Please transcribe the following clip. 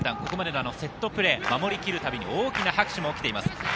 ここまでのセットプレー、守り切るたびに大きな拍手も起きています。